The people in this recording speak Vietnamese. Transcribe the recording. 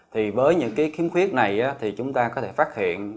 thì với những cái khiếm khuyết này thì chúng ta có thể phát hiện